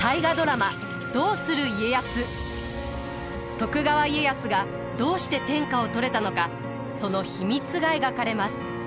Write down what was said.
徳川家康がどうして天下を取れたのかその秘密が描かれます。